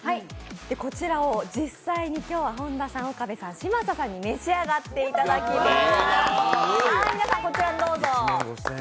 こちらを実際に今日は本田さん、岡部さん、嶋佐さんに召し上がっていただきます。